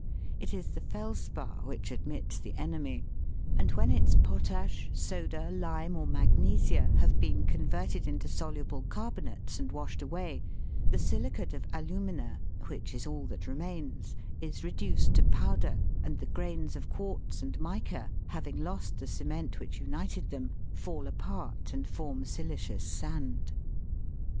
It is the felspar t which admits the enemy ; and when its potash, soda, lime, or magnesia, have been converted into soluble carbonates and washed away, the silicate of alumina, which * Flint is impure silica. f See Chap. viii. EFFECTS OF CARBONIC ACID. 35 is all that remains, is reduced to powder, and the grains of quartz and mica, having lost the cement which united them, fall apart and form silicious sand.